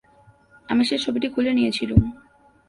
আমি সে ছবিটি খুলে নিয়েছিলুম।